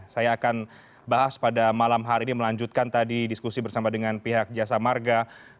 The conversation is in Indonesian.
saya akan bahas pada malam hari ini melanjutkan tadi diskusi bersama dengan pihak jasa marga